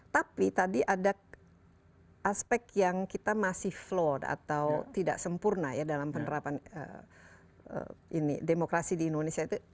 nah tapi tadi ada aspek yang kita masih flawed atau tidak sempurna ya dalam penerapan ini demokrasi di indonesia